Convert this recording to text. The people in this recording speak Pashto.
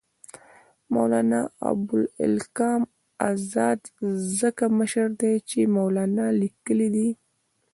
مولنا ابوالکلام آزاد ځکه مشر دی چې مولنا لیکلی دی.